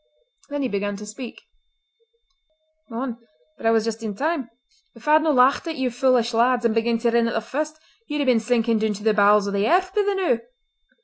Then he began to speak: "Mon! but I was just in time. If I had no laucht at yon foolish lads and begun to rin at the first you'd a bin sinkin' doon to the bowels o' the airth be the noo!